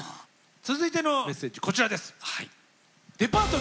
続いてのメッセージこちらです。